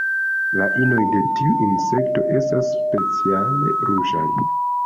La inoj de tiu insekto estas speciale ruĝaj.